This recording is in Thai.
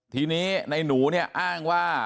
ทีนี้ในหนูเนี่ยอ้างว่า